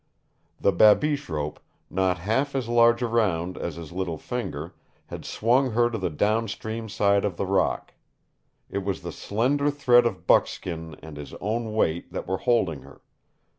The babiche rope, not half as large around as his little finger, had swung her to the downstream side of the rock. It was the slender thread of buckskin and his own weight that were holding her.